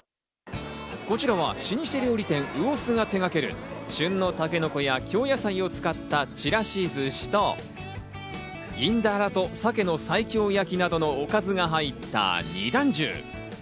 こちらは老舗料理店・うお寿が手がける旬のタケノコや、京野菜を使ったちらしずしと、銀鱈と鮭の西京焼きなどのおかずが入った二段重。